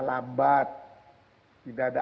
lambat tidak ada